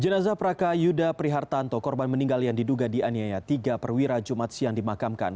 jenazah prakayuda prihartanto korban meninggal yang diduga dianiaya tiga perwira jumat siang dimakamkan